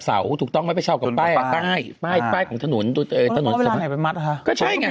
เสาถูกต้องไม่ไปเข้ากับแป้งป้ายของถนนก็ช่วยไงไม่รู้